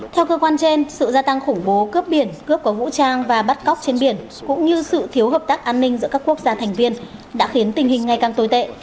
theo cơ quan trên sự gia tăng khủng bố cướp biển cướp có vũ trang và bắt cóc trên biển cũng như sự thiếu hợp tác an ninh giữa các quốc gia thành viên đã khiến tình hình ngày càng tồi tệ